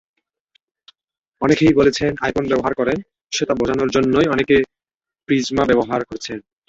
অনেকেই বলছেন, আইফোন ব্যবহার করেন, সেটা বোঝানোর জন্যই অনেকে প্রিজমা ব্যবহার করছেন।